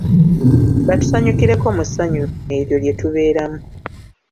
Batusanyukireko mu ssanyu eryo lye tubeeramu.